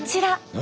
何？